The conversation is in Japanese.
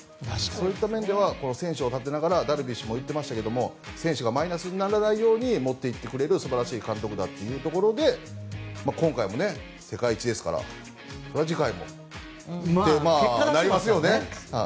そういった面では選手を立てながらダルビッシュも言っていましたが選手がマイナスにならないように持って行ってくれる素晴らしい監督だというところで今回も世界一ですから次回もってなりますよね。